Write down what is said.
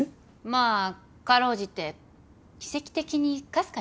まあ辛うじて奇跡的にかすかに。